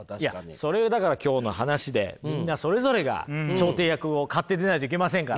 いやそれをだから今日の話でみんなそれぞれが調停役を買って出ないといけませんから。